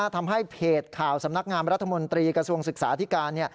ทำให้เพจข่าวสำนักงามรัฐมนตรีกระทรวงศึกษาธิการ